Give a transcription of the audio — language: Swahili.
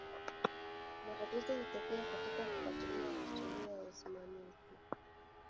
Matatizo hutokea katika kufuatilia historia ya usimamizi.